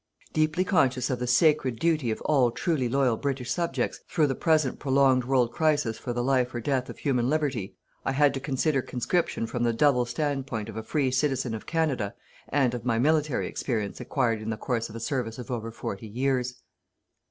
Deeply conscious of the sacred duty of all truly loyal British subjects through the present prolonged world crisis for the life or death of human Liberty, I had to consider conscription from the double stand point of a free citizen of Canada and of my military experience acquired in the course of a service of over forty years.